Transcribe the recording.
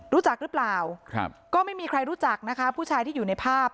รู้จักหรือเปล่าครับก็ไม่มีใครรู้จักนะคะผู้ชายที่อยู่ในภาพ